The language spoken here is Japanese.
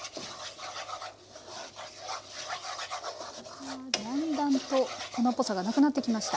あだんだんと粉っぽさがなくなってきました。